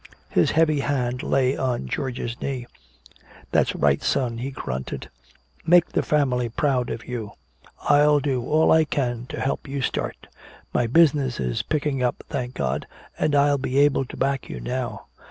His heavy hand lay on George's knee. "That's right, son," he grunted. "Make the family proud of you. I'll do all I can to help you start. My business is picking up, thank God, and I'll be able to back you now.